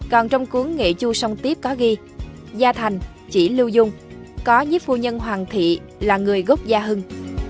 còn trong cuốn nghệ chu sông tiếp có ghi gia thành chỉ lưu dung có nhiếp phu nhân hoàng thị là người gốc gia hưng